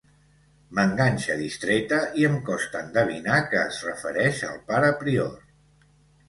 M'enganxa distreta i em costa endevinar que es refereix al pare prior.